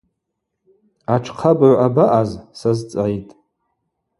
Атшхъабыгӏв абаъаз? — сазцӏгӏитӏ.